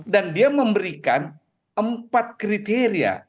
dan dia memberikan empat kriteria